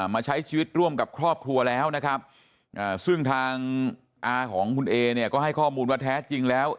มาใช้ชีวิตร่วมกับครอบครัวแล้วนะครับซึ่งทางอาของคุณเอเนี่ยก็ให้ข้อมูลว่าแท้จริงแล้ว